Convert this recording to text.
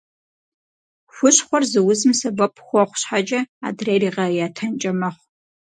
Хущхъуэр зы узым сэбэп хуэхъу щхьэкӏэ, адрейр игъэятэнкӏэ мэхъу.